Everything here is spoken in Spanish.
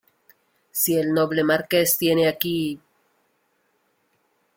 si el noble Marqués tiene aquí...